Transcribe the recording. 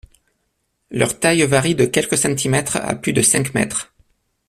Leur taille varie de quelques centimètres à plus de cinq mètres.